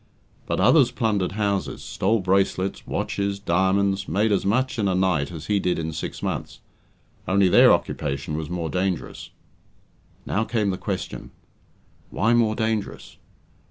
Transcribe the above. But others plundered houses, stole bracelets, watches, diamonds made as much in a night as he did in six months only their occupation was more dangerous. Now came the question why more dangerous?